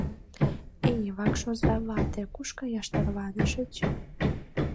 — Эй, вакш оза вате, куш каяш тарванышыч?